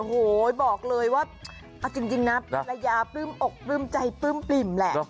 โอ้โหบอกเลยว่าเอาจริงนะภรรยาปลื้มอกปลื้มใจปลื้มปริ่มแหละ